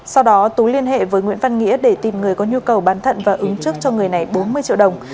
sau đó tú liên hệ với nguyễn văn nghĩa để tìm người có nhu cầu bán thận và ứng chức cho người này bốn mươi triệu đồng